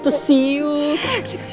aduh betul sih